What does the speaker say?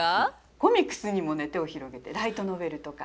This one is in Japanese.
コミックスにも手を広げてライトノベルとか。